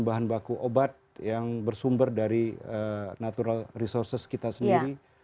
bahan baku obat yang bersumber dari natural resources kita sendiri